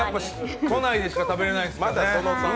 都内でしか食べられないんですもんね。